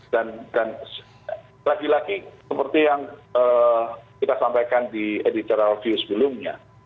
dan lagi lagi seperti yang kita sampaikan di editorial view sebelumnya